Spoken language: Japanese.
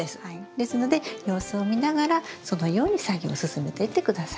ですので様子を見ながらそのように作業を進めていって下さい。